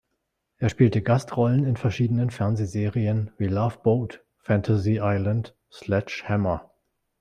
Er spielte Gastrollen in verschiedenen Fernsehserien wie Love Boat, Fantasy Island, Sledge Hammer!